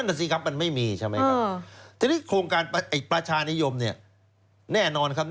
นั่นสิครับมันไม่มีใช่ไหมครับทีนี้โครงการไอ้ประชานิยมเนี่ยแน่นอนครับ